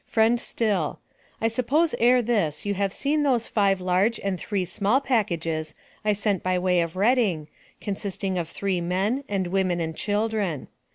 FRIEND STILL: I suppose ere this you have seen those five large and three small packages I sent by way of Reading, consisting of three men and women and children.